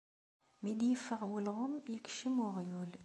Mi-d-iffeɣ ulɣem ikecem uɣyul.